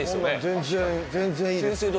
全然、全然いいですね！